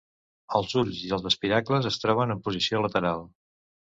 Els ulls i els espiracles es troben en posició lateral.